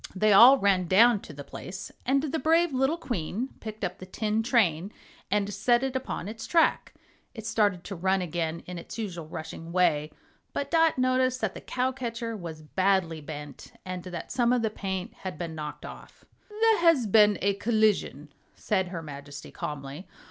They all ran down to the place, and the brave little Queen picked up the tin train and set it upon its track. It started to run again in its usual rushing way, but Dot noticed that the cow catcher was badly bent and that some of the paint had been knocked off. "There has been a collision," said her Majesty, calmly.